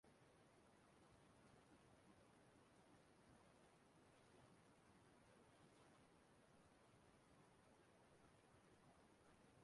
ma na-adụzịkwa ha ka ha zaa òkù Akụ Ruo Ụlọ ahụ Gọvanọ Obianọ na-akpọ